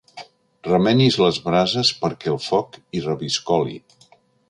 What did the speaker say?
Remenis les brases perquè el foc hi reviscoli.